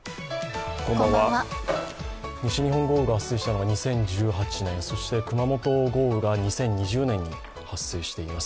西日本豪雨が発生したのが２０１８年、そして熊本豪雨が２０２０年に発生しています。